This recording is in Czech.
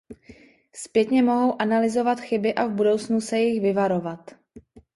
Zpětně mohou analyzovat chyby a v budoucnu se jich vyvarovat.